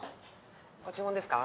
「ご注文ですか？」